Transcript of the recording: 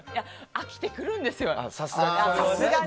飽きてくるんですよ、さすがに。